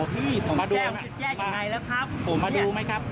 แจ้งแจ้งโหพี่ผมแจ้งอย่างไรแล้วครับ